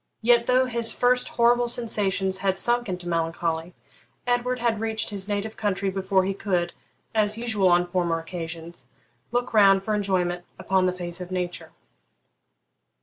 Yet, though his first horrible sensations had sunk into melancholy, Edward had reached his native country before he could, as usual on former occasions, look round for enjoyment upon the face of nature.